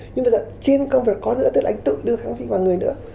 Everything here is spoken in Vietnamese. nhưng bây giờ trên con người có nữa tức là anh tự đưa kháng sinh vào người nữa